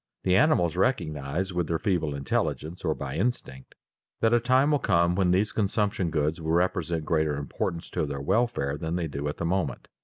The animals recognize with their feeble intelligence or by instinct, that a time will come when these consumption goods will represent greater importance to their welfare than they do at the moment.